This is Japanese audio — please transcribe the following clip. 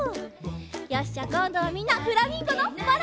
よしじゃあこんどはみんなフラミンゴのバランス！